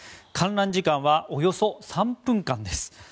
観覧時間はおよそ３分間です。